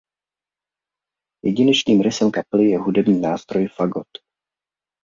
Jedinečným rysem kapely je hudební nástroj fagot.